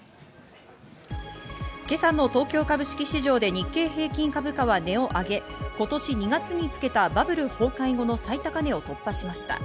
今朝の東京株式市場で日経平均株価は値を上げ、今年２月につけたバブル崩壊後の最高値を突破しました。